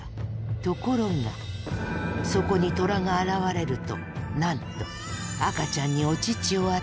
ところがそこにトラが現れるとなんと赤ちゃんにお乳を与えたそうな。